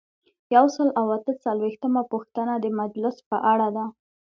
یو سل او اته څلویښتمه پوښتنه د مجلس په اړه ده.